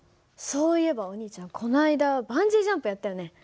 そういえばお兄ちゃんこの間バンジージャンプやったよね。